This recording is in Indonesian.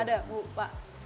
ada bu pak